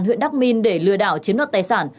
huyện đắc minh để lừa đảo chiếm đoạt tài sản